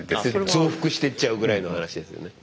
増幅してっちゃうぐらいの話ですよね。